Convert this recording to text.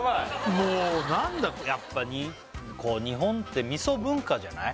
もうなんだやっぱこう日本って味噌文化じゃない？